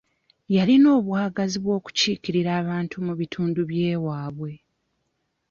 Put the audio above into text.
Yalina obwagazi bw'okukiikirira abantu mu bitundu by'ewaabwe.